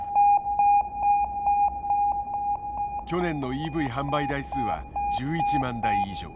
去年のＥＶ販売台数は１１万台以上。